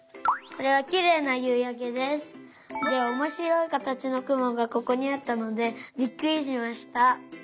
これはきれいなゆうやけです。でおもしろいかたちのくもがここにあったのでびっくりしました。